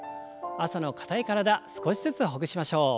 朝の硬い体少しずつほぐしましょう。